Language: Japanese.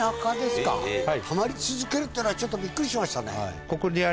っていうのはちょっとびっくりしましたね。